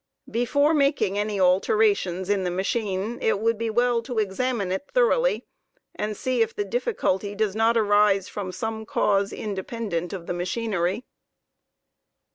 Before making any alterations in the machine it would be well to examine it thoroughly, and see if the difficulty does not arise from some cause independent of the machinery.